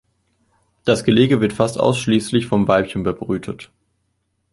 Das Gelege wird fast ausschließlich vom Weibchen bebrütet.